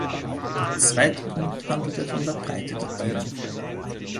Der zweite Punkt handelte von der Breite der Themen.